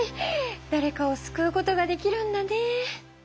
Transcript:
だれかをすくうことができるんだね。